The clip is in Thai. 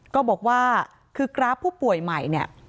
ก็บอกว่าคือกราฟผู้ป่วยใหม่เนี่ย